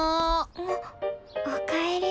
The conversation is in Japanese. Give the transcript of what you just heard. あっおかえり。